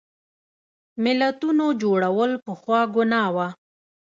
ملتونو جوړول پخوا ګناه وه.